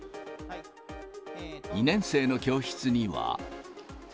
２年生の教室には。